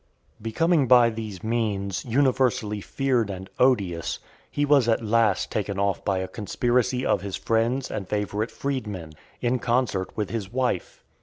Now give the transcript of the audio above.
XIV. Becoming by these means universally feared and odious, he was at last taken off by a conspiracy of his friends and favourite freedmen, in concert with his wife .